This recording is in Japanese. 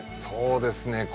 そうですね。